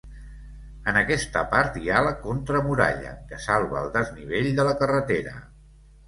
En aquesta part hi ha la contramuralla, que salva el desnivell de la carretera.